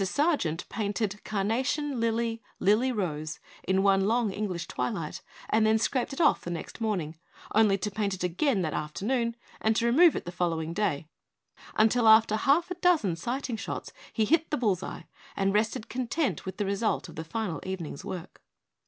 Sargent painted 'Carna tion, Lily, Lily, Rose' in one long English twi light and then scraped it off the next morning only to paint it again that afternoon and to re move it the following day, until after half a dozen sighting shots he hit the bull's eye and rested it with the result of the final evening's work.